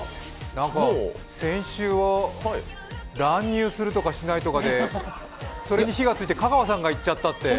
なんか、先週、乱入するとかしないとかでそれに火がついて香川さんが行っちゃったって。